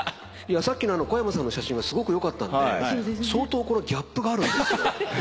さっきの小山さんの写真はすごくよかったので相当ギャップがあるんですよ。